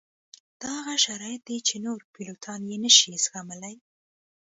دا هغه شرایط دي چې نور پیلوټان یې نه شي زغملی